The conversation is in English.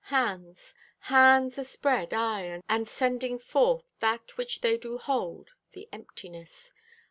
Hands. Hands aspread, aye, and sending forth That which they do hold—the emptiness.